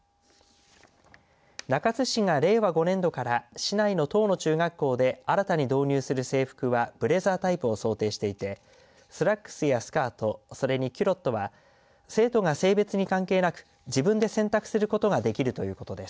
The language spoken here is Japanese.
中津市は令和５年度から市内の１０の中学校で新たに導入する制服はブレザータイプを想定していてスラックスやスカートそれにキュロットは生徒が性別に関係なく自分で選択することができるということです。